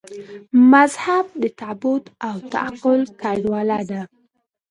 مذهب د تعبد او تعقل ګډوله ده.